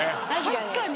確かに。